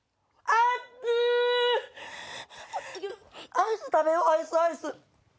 アイス食べようアイスアイス。